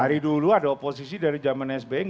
dari dulu ada oposisi dari jaman sbi nggak pernah